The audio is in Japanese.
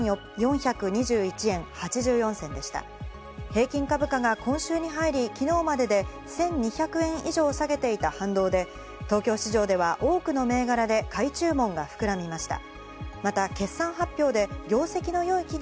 平均株価が今週に入り、昨日までで１２００円以上下げていた反動で東京市場では多くの銘柄で買い注文が膨らみました。